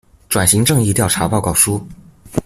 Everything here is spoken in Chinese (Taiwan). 轉型正義調查報告書